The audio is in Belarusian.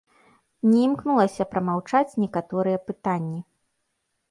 Не імкнулася прамаўчаць некаторыя пытанні.